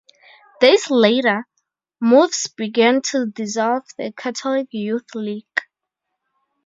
Days later, moves began to dissolve the Catholic Youth League.